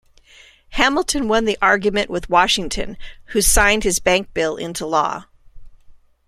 Hamilton won the argument with Washington, who signed his Bank Bill into law.